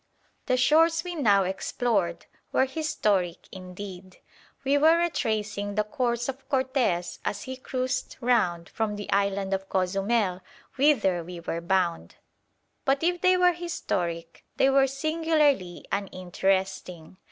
The shores we now explored were historic indeed. We were retracing the course of Cortes as he cruised round from the island of Cozumel, whither we were bound. But if they were historic, they were singularly uninteresting.